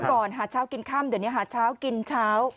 ก่อนหาเช้ากินค่ำเดี๋ยวนี้หาเช้ากินเช้า